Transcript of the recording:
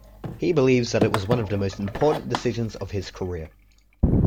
He believes that it was one of the most important decisions of his career.